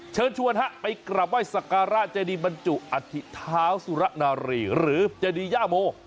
เชิญชวนฮะไปกลับไห้สักการะเจดีบรรจุอธิเท้าสุระนารีหรือเจดีย่าโม